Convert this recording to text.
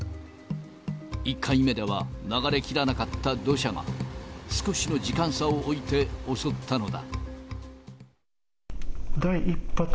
１回目では流れ切らなかった土砂が、少しの時間差を置いて襲ったのだ。